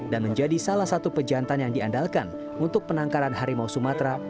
dan menjadi salah satu pejantan yang diandalkan untuk penangkaran harimau sumatera